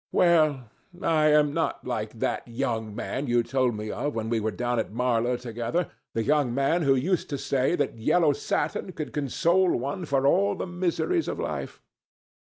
Well, I am not like that young man you told me of when we were down at Marlow together, the young man who used to say that yellow satin could console one for all the miseries of life.